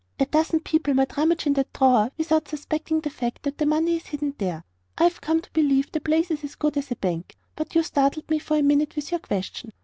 A dozen people might rummage in that drawer without suspecting the fact that money is hidden there. I've come to believe the place is as good as a bank; but you startled me for a minute, with your question.